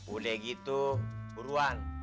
udah gitu buruan